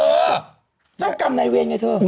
เออเจ้ากรรมนายเวรไงเถอะ